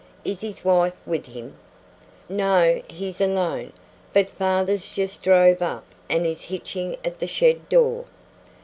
Is his wife with him?" "No; he's alone; but father's just drove up and is hitching at the shed door."